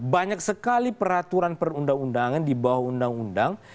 banyak sekali peraturan perundang undangan di bawah undang undang